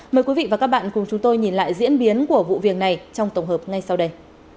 mời quý vị và các bạn cùng chúng tôi nhìn lại diễn biến của vụ việc này trong tổng hợp ngay sau đây